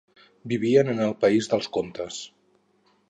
Vivien en el país dels contes.